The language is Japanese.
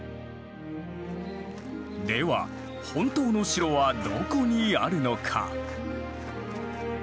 では本当の城はどこにあるのか。